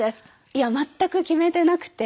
いや全く決めてなくて。